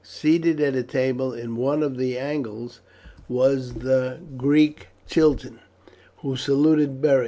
Seated at a table in one of the angles was the Greek Chiton, who saluted Beric.